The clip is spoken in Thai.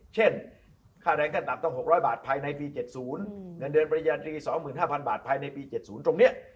เช่นค่าแรงขั้นต่ำต้อง๖๐๐บาทภายในปี๗๐เงินเดือนปริญญาตรี๒๕๐๐บาทภายในปี๗๐ตรงนี้